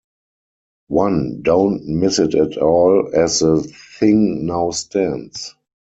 One don't miss it at all as the thing now stands.